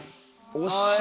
惜しい。